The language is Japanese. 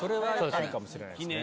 いいかもしれないですね。